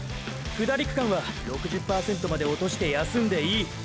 下り区間は６０％までおとして休んでいい。